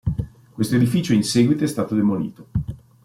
Questo edificio, in seguito è stato demolito.